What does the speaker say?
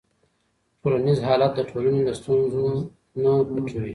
ټولنیز حالت د ټولنې له ستونزو نه پټوي.